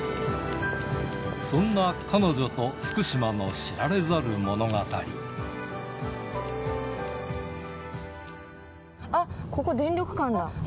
そんな彼女と福島の知られざあっ、ここ電力館だ。